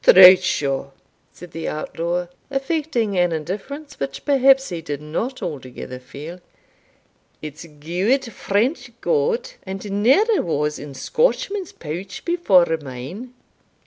"Troutsho!" said the outlaw, affecting an indifference which perhaps he did not altogether feel; "it's gude French gowd, and ne'er was in Scotchman's pouch before mine.